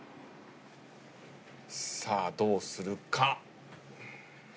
さあどうするか？